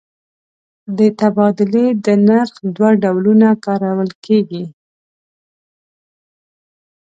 د تبادلې د نرخ دوه ډولونه کارول کېږي.